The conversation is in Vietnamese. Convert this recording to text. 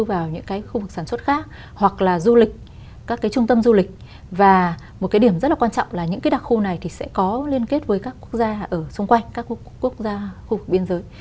vào những cái khu vực sản xuất khác hoặc là du lịch các cái trung tâm du lịch và một cái điểm rất là quan trọng là những cái đặc khu này thì sẽ có liên kết với các quốc gia ở xung quanh các quốc gia khu vực biên giới